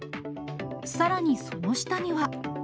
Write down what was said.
さらにその下には。